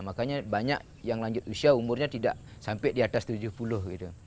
makanya banyak yang lanjut usia umurnya tidak sampai di atas tujuh puluh gitu